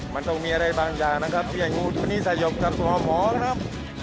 มันต้องมีอะไรบางอย่างนะครับที่ให้งูตัวนี้สยบกับตัวหมอนะครับ